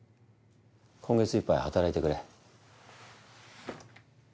今月いっぱいは働いてくれ。